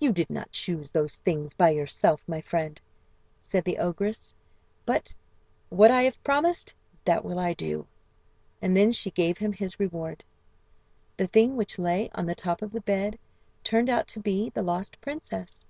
"You did not choose those things by yourself, my friend," said the ogress; "but what I have promised, that will I do." And then she gave him his reward. "The thing which lay on the top of the bed" turned out to be the lost princess.